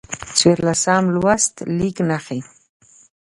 څوارلسم لوست: لیک نښې